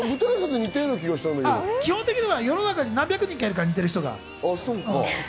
基本的には世の中に何百人っているから、似てる人が。